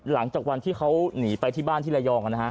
หลังจากวันที่เขาหนีไปที่บ้านที่ระยอง